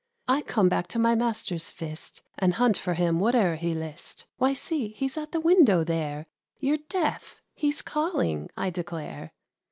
I come back to my master's fist, And hunt for him whate'er he list. Why, see, he's at the window, there; You're deaf; he's calling, I declare."